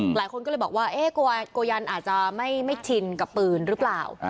หลายคนก็เลยบอกว่าโกยันอาจจะไม่ชินกับปืนหรือเปล่า